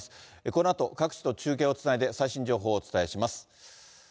このあと、各地と中継をつないで最新情報をお伝えします。